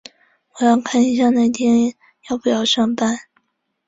我要看一下那天要不要上班。